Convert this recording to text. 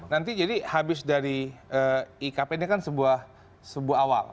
nanti jadi habis dari ikp ini kan sebuah awal